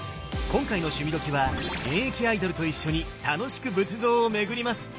今回の「趣味どきっ！」は現役アイドルと一緒に楽しく仏像を巡ります！